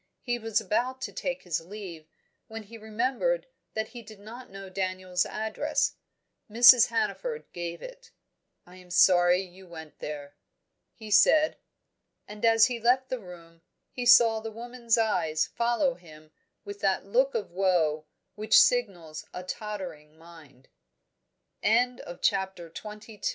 He was about to take his leave, when he remembered that he did not know Daniel's address: Mrs. Hannaford gave it. "I am sorry you went there," he said. And as he left the room, he saw the woman's eyes follow him with that look of woe which signals a tottering mind. CHAPTER XXIII Without investigat